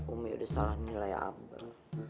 umi udah salah nilai abah